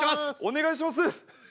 お願いします。